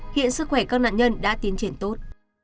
hiện sức khỏe các nạn nhân đã tiến triển tốt